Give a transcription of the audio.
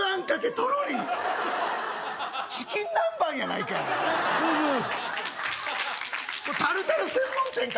とろりチキン南蛮やないかいどうぞタルタル専門店か